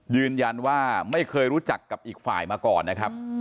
ยืนยันว่าไม่เคยรู้จักกับอีกฝ่ายมาก่อนนะครับ